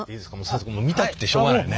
早速もう見たくてしょうがないよね。